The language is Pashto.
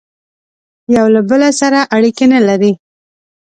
یوه له بل سره اړیکي نه لري